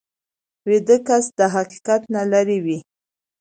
ویده کس د حقیقت نه لرې وي